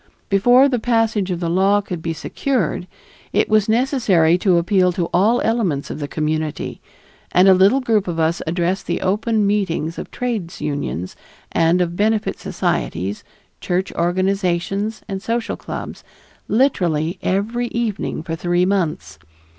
Before the passage of the law could be secured, it was necessary to appeal to all elements of the community, and a little group of us addressed the open meetings of trades unions and of benefit societies, church organizations, and social clubs literally every evening for three months.